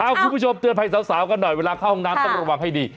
คุณผู้ชมเตือนภัยสาวกันหน่อยเวลาเข้าห้องน้ำต้องระวังให้ดี